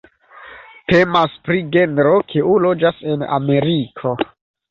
Temas pri genro kiu loĝas en Ameriko.